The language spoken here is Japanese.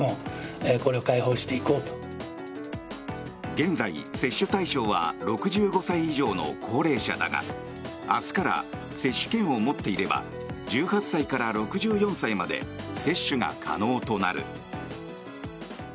現在、接種対象は６５歳以上の高齢者だが明日から接種券を持っていれば１８歳から６４歳まで接種が可能となる。